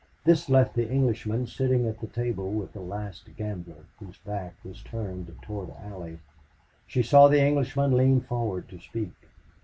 This left the Englishman sitting at the table with the last gambler, whose back was turned toward Allie. She saw the Englishman lean forward to speak.